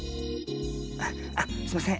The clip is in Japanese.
あっあっすいません。